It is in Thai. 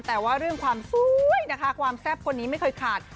แต่ว่าเรื่องความสวยนะคะความแซ่บคนนี้ไม่เคยขาด